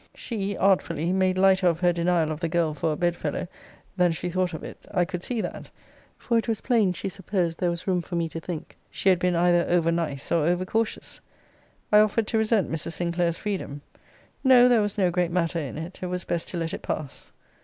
She, artfully, made lighter of her denial of the girl for a bedfellow, than she thought of it, I could see that; for it was plain, she supposed there was room for me to think she had been either over nice, or over cautious. I offered to resent Mrs. Sinclair's freedom. No; there was no great matter in it. It was best to let it pass.